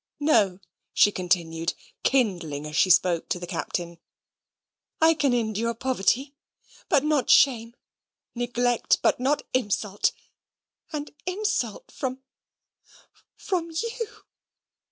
"No," she continued, kindling as she spoke to the Captain; "I can endure poverty, but not shame neglect, but not insult; and insult from from you."